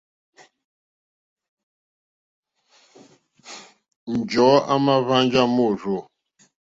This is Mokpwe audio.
Njɔ̀ɔ́ àmà hwánjá môrzô.